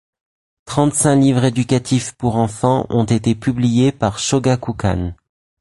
Trente-cinq livres éducatifs pour enfants ont été publiés par Shōgakukan.